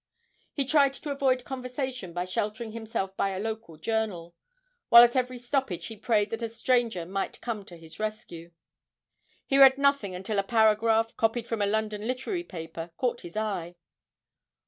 He tried to avoid conversation by sheltering himself behind a local journal, while at every stoppage he prayed that a stranger might come to his rescue. He read nothing until a paragraph, copied from a London literary paper, caught his eye.